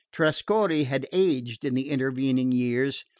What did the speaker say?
Trescorre had aged in the intervening years.